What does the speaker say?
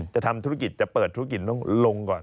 จะทำธุรกิจจะเปิดธุรกิจต้องลงก่อน